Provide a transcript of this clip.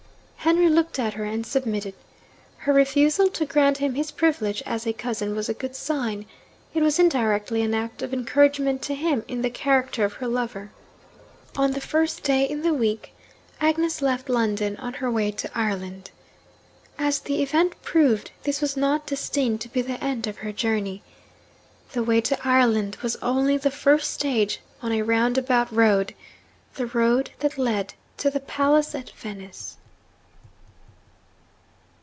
Henry looked at her, and submitted. Her refusal to grant him his privilege as a cousin was a good sign it was indirectly an act of encouragement to him in the character of her lover. On the first day in the new week, Agnes left London on her way to Ireland. As the event proved, this was not destined to be the end of her journey. The way to Ireland was only the first stage on a roundabout road the road that led to the palace at Venice.